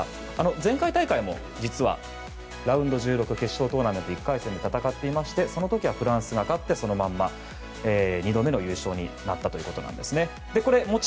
前回大会も実はラウンド１６決勝トーナメント１回戦で戦っていましてその時はフランスが勝ってそのまま２度目の優勝になったということですね。